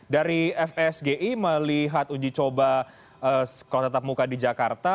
dari fsgi melihat uji coba sekolah tetap muka di jakarta